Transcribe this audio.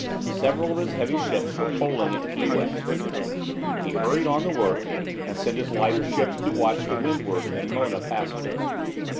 Several of his heavy ships were coaling at Key West. He hurried on the work, and sent his lighter ships to watch the Windward and Mona Passages.